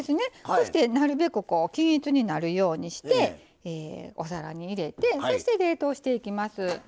そしてなるべく均一になるようにしてお皿に入れてそして冷凍していきます。